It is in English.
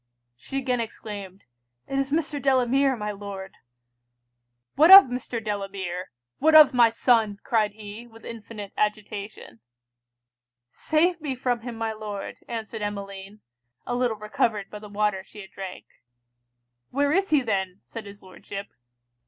She again exclaimed, 'it is Mr. Delamere, my Lord!' 'What of Mr. Delamere? what of my son?' cried he, with infinite agitation. 'Save me from him my Lord!' answered Emmeline, a little recovered by the water she had drank. 'Where is he then?' said his Lordship.